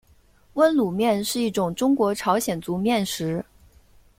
温卤面是一种中国朝鲜族面食。